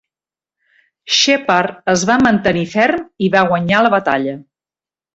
Shepard es va mantenir ferm i va guanyar la batalla.